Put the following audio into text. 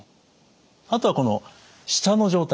あとはこの舌の状態。